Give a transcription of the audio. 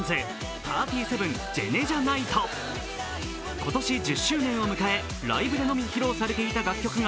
今年１０周年を迎えライブでのみ披露されていた楽曲が